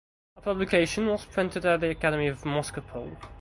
The publication was printed at the Academy of Moscopole.